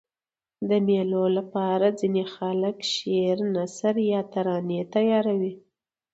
د مېلو له پاره ځيني خلک شعر، نثر یا ترانې تیاروي.